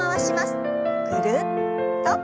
ぐるっと。